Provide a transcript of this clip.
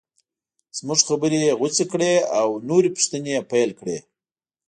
زموږ خبرې یې غوڅې کړې او نورې پوښتنې یې پیل کړې.